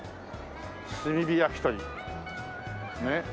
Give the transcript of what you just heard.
「炭火焼鳥」ねっ。